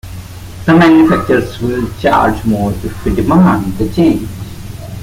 The manufacturers will charge more if we demand the change.